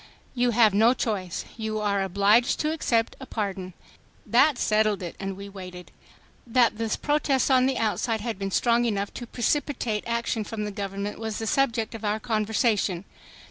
"You have no choice. You are obliged to accept a pardon." That settled it, and we waited. That the protest on the outside had been strong enough to precipitate action from the government was the subject of our conversation.